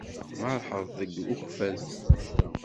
Tmerrḥeḍ deg Ukfadu?